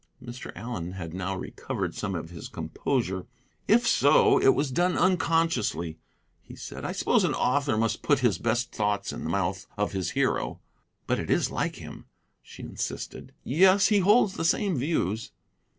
Mr. Allen, had now recovered some of his composure. "If so, it was done unconsciously," he said. "I suppose an author must put his best thoughts in the mouth of his hero." "But it is like him?" she insisted. "Yes, he holds the same views."